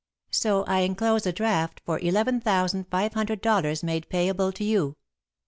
So I enclose a draft for eleven thousand five hundred dollars made payable to you.